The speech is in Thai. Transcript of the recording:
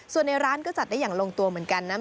ส่วนในร้านก็จัดได้อย่างลงตัวเหมือนกันนะ